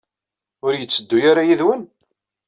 Ur yetteddu ara yid-wen?